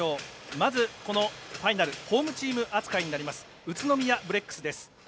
まずこのファイナルホームチーム扱いになります宇都宮ブレックスです。